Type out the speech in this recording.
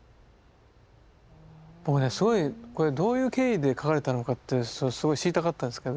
僕ねすごいこれどういう経緯で描かれたのかってすごい知りたかったんですけど。